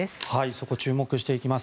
そこを注目していきます。